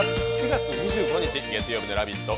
４月２５日月曜日の「ラヴィット！」